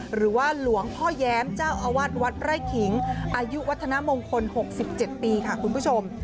หรือว่าหลวงพ่อแย้มเจ้าอาวาสวัดไร่ขิงอายุวัฒนามงคล๖๗ปีค่ะคุณผู้ชม